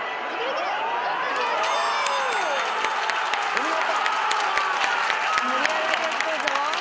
お見事！